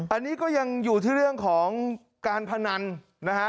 อันนี้ก็ยังอยู่ที่เรื่องของการพนันนะฮะ